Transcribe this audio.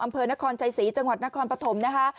อำเภอนครชัยศรีจังหวัดนครปฐมนะคะ